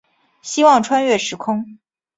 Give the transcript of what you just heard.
希望穿越时空